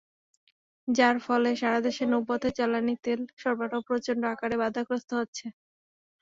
যার ফলে সারা দেশে নৌপথে জ্বালানি তেল সরবরাহ প্রচণ্ড আকারে বাধাগ্রস্ত হচ্ছে।